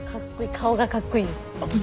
顔がかっこいいです。